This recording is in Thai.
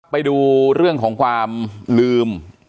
ไปดูเรื่องของความลืม